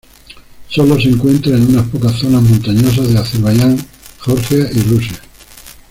Sólo se encuentra en unas pocas zonas montañosas de Azerbayán, Georgia y Rusia.